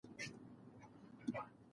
نه يوه ډله ،نو تېښته د حل لاره نه ده.